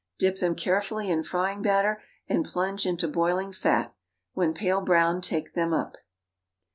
Dip them carefully in frying batter, and plunge into boiling fat; when pale brown take them up.